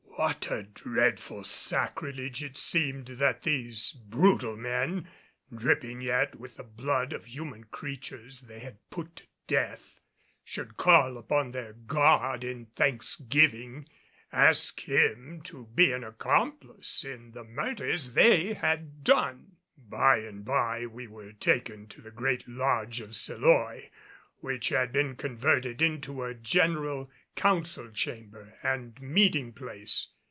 What a dreadful sacrilege it seemed that these brutal men, dripping yet with the blood of human creatures they had put to death, should call upon their God in thanksgiving, asking Him to be an accomplice in the murders they had done! By and by we were taken to the great Lodge of Seloy, which had been converted into a general council chamber and meeting place.